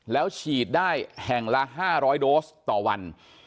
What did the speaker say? แล้วฉีดได้แห่งละ๕๐๐โดสต่อวัน